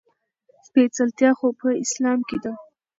سپېڅلتيا خو اسلام کې ده.